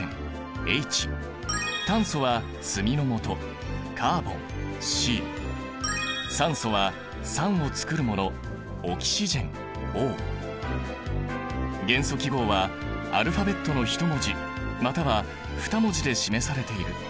炭素は炭のもと酸素は酸を作るもの元素記号はアルファベットの１文字または２文字で示されている。